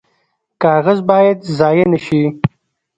کاغذ باید ضایع نشي